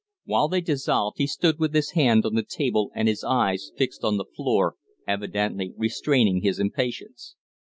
While they dissolved he stood with his hand on the table and his eyes fixed on the floor, evidently restraining his impatience.